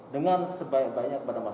dengan sebanyak banyak pada masyarakat